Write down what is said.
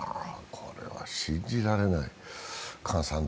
これは信じられない。